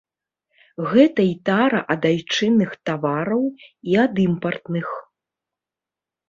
Гэта і тара ад айчынных тавараў, і ад імпартных.